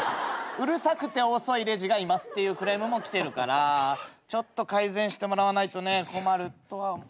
うるさくて遅いレジがいますっていうクレームも来てるからちょっと改善してもらわないとね困るとは。